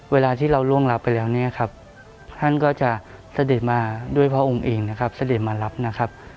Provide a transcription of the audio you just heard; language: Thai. เวลาที่เราร่วงหลับไปแล้วท่านก็จะเสด็จมาด้วยพระองค์เองเสด็จมารับ